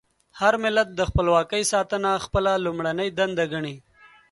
هر ملت د خپلواکۍ ساتنه خپله لومړنۍ دنده ګڼي.